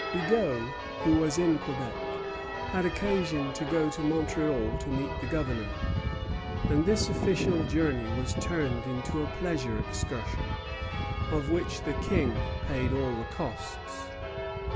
Bigot, who was in Quebec, had occasion to go to Montreal to meet the Governor; and this official journey was turned into a pleasure excursion, of which the King paid all the costs.